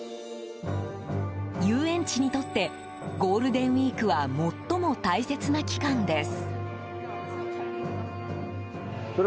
遊園地にとってゴールデンウィークは最も大切な期間です。